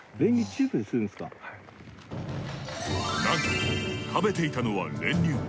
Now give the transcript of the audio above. なんと食べていたのは練乳。